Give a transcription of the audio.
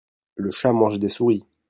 le chat mange des souris.